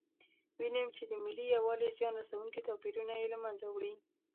وینم چې د ملي یووالي زیان رسونکي توپیرونه یې له منځه وړي.